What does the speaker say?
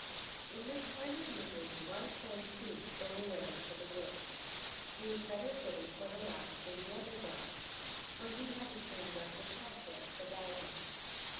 In this time of misery, White Fang, too, stole away into the woods. He was better fitted for the life than the other dogs, for he had the training of his cubhood to guide him.